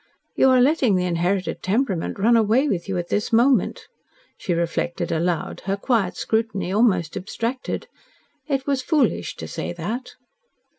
"You are letting the inherited temperament run away with you at this moment," she reflected aloud her quiet scrutiny almost abstracted. "It was foolish to say that."